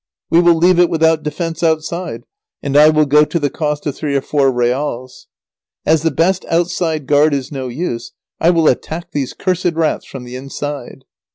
We will leave it without defence outside, and I will go to the cost of three or four reals. As the best outside guard is no use, I will attack these cursed rats from the inside."